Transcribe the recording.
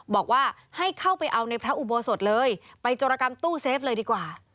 บอกว่าให้เข้าไปเอาในพระอุโบสถเลยไปโจรกรรมตู้เซฟเลยดีกว่า